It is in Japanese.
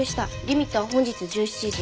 「リミットは本日１７時」